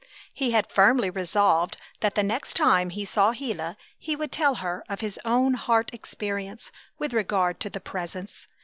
He had firmly resolved that the next time he saw Gila he would tell her of his own heart experience with regard to the Presence.